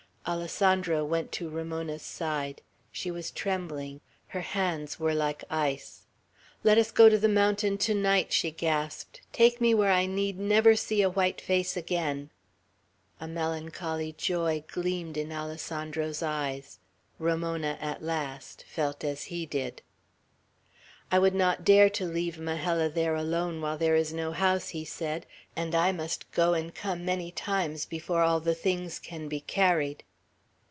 Alessandro went to Ramona's side. She was trembling. Her hands were like ice. "Let us go to the mountain to night!" she gasped. "Take me where I need never see a white face again!" A melancholy joy gleamed in Alessandro's eyes. Ramona, at last, felt as he did. "I would not dare to leave Majella there alone, while there is no house," he said; "and I must go and come many times, before all the things can be carried."